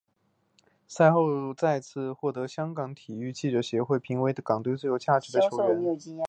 赛后再次获香港体育记者协会评选为港队最有价值球员。